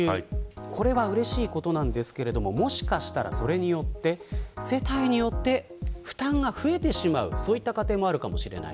これはうれしいことなんですけどもしかしたらそれこれによって世帯によって負担が増えてしまう家庭もあるかもしれない。